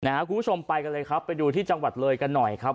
คุณผู้ชมไปกันเลยครับไปดูที่จังหวัดเลยกันหน่อยครับ